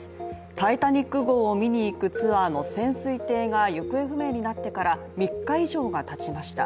「タイタニック」号を見に行くツアーの潜水艇が行方不明になってから３日以上がたちました。